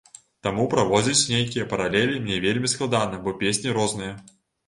Таму праводзіць нейкія паралелі мне вельмі складана, бо песні розныя.